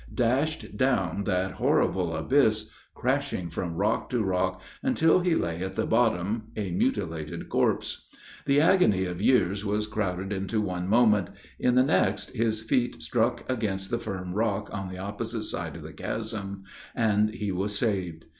Dashed down that horrible abyss crashing from rock to rock, until he lay at the bottom a mutilated corpse. The agony of years was crowded into one moment in the next, his feet struck against the firm rock on the opposite side of the chasm, and he was saved.